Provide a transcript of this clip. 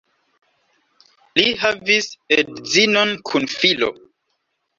Li havis edzinon kun filo.